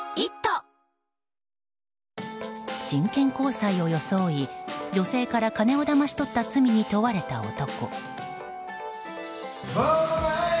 真剣交際を装い、女性から金をだまし取った罪に問われた男。